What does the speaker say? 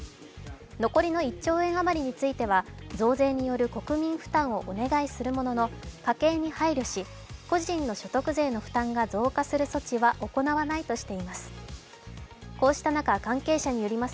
残りの１兆円余りについては増税による国民負担をお願いするものの家計に配慮し個人の所得税の負担が増加する措置は行わないとしています。